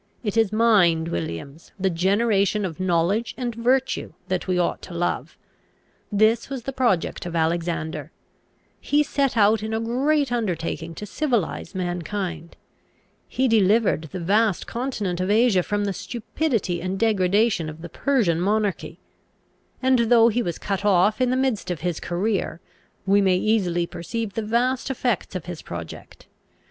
It is mind, Williams, the generation of knowledge and virtue, that we ought to love. This was the project of Alexander; he set out in a great undertaking to civilise mankind; he delivered the vast continent of Asia from the stupidity and degradation of the Persian monarchy: and, though he was cut off in the midst of his career, we may easily perceive the vast effects of his project.